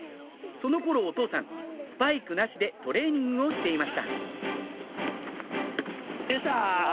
その頃お父さんスパイクなしでトレーニングをしていましたよっしゃ！